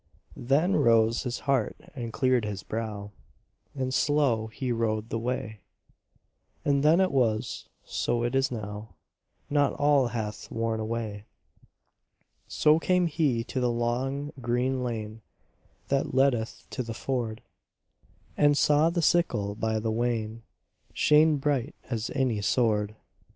Then rose his heart and cleared his brow, And slow he rode the way: "As then it was, so is it now, Not all hath worn away." So came he to the long green lane That leadeth to the ford, And saw the sickle by the wain Shine bright as any sword.